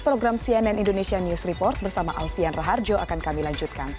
program cnn indonesia news report bersama alfian raharjo akan kami lanjutkan